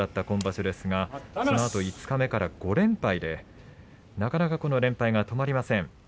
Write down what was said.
今場所ですがそのあと五日目から５連敗でなかなか連敗が止まりません。